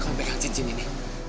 kamu pegang cincin ini